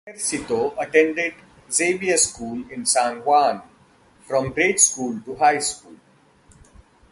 Ejercito attended Xavier School in San Juan from grade school to high school.